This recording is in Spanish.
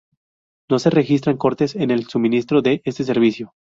No se registran cortes en el suministro de este servicio.